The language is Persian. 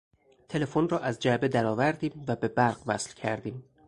تلفن را از جعبه درآوردیم و به برق وصل کردیم.